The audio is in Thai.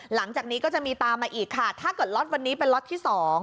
หลังจากนี้ก็จะมีตามมาอีกค่ะถ้าเกิดล็อตวันนี้เป็นล็อตที่๒